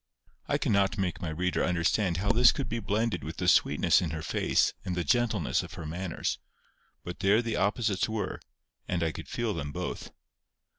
I cannot make my reader understand how this could be blended with the sweetness in her face and the gentleness of her manners; but there the opposites were, and I could feel them both.